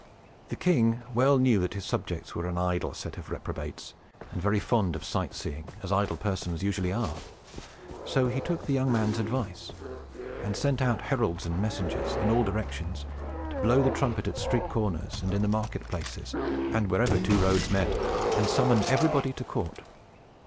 The king well knew that his subjects were an idle set of reprobates, and very fond of sight seeing, as idle persons usually are. So he took the young man's advice, and sent out heralds and messengers, in all directions, to blow the trumpet at the street corners, and in the market places, and wherever two roads met, and summon everybody to court.